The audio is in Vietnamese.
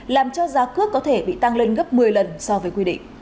làm cho giá cước có thể bị tăng lên gấp một mươi lần so với quy định